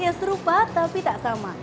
yang serupa tapi tak sama